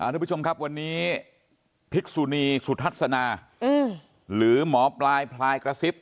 ทุกผู้ชมครับวันนี้ภิกษุนีสุทัศนาหรือหมอปลายพลายกระซิบ